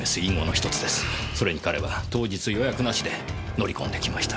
それに彼は当日予約なしで乗り込んできました。